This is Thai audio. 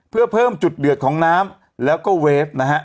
เพื่อเพิ่มจุดเดือดของน้ำแล้วก็เวฟนะฮะ